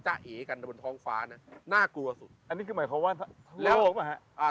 เอกันบนท้องฟ้าน่ะน่ากลัวสุดอันนี้คือหมายความว่าเร็วป่ะฮะอ่า